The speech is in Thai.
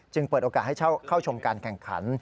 เปิดโอกาสให้เข้าชมการแข่งขัน